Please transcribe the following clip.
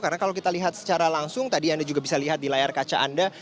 karena kalau kita lihat secara langsung tadi anda juga bisa lihat di layar kaca anda